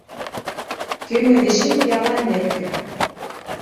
Кӧ мый дечем пиалан лекте?